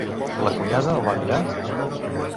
La cunyada el va mirar?